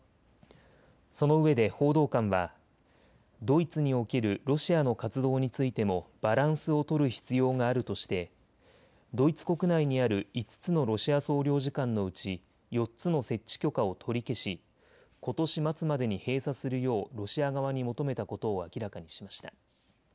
そのうえで報道官はドイツにおけるロシアの活動についてもバランスを取る必要があるとしてドイツ国内にある５つのロシア総領事館のうち４つの設置許可を取り消しことし末までに閉鎖するようロシア側に求めたことを明らかにしました。